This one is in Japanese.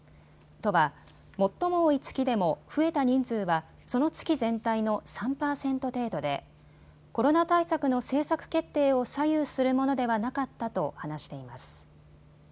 都は最も多い月でも増えた人数はその月全体の３％程度でコロナ対策の政策決定を左右するものではなかったと話しています。